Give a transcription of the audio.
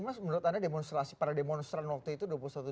menurut anda demonstrasi para demonstran waktu itu